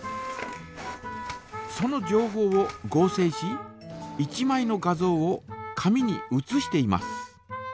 そのじょうほうを合成し１まいの画像を紙に写しています。